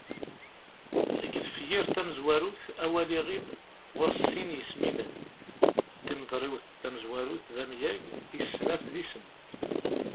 Deg tefyirt tamezwarut, awal iɣil ɣur-s sin yismilen: Timeḍriwt tamezwarut d amyag, tis snat d isem.